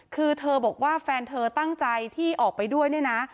คือเธอบอกว่าแฟนเธอตั้งใจที่ออกไปด้วยเนี่ยนะ